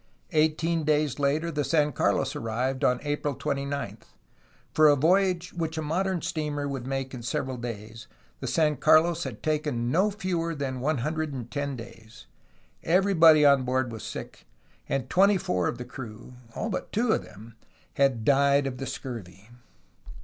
Eighteen days later the San Carlos arrived, on April 29. For a voyage which a modern steamer would make in several days, the San Carlos had taken no fewer than 110 days. Everybody on board was sick, and twenty four of the crew (all but two of them) had died of the scurvy.